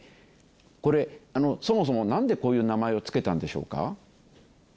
これ、そもそも、なんでこういう名前を付けたんでしょうか？